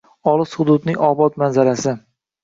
Olis hududning obod manzarasi